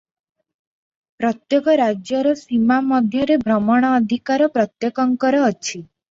ପ୍ରତ୍ୟେକ ରାଜ୍ୟର ସୀମା ମଧ୍ୟରେ ଭ୍ରମଣ ଅଧିକାର ପ୍ରତ୍ୟେକଙ୍କର ଅଛି ।